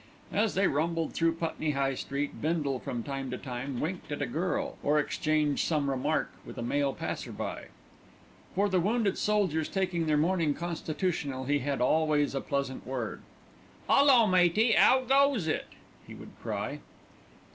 As they rumbled through Putney High Street, Bindle from time to time winked at a girl, or exchanged some remark with a male passer by. For the wounded soldiers taking their morning constitutional he had always a pleasant word. "'Ullo, matey, 'ow goes it?" he would cry.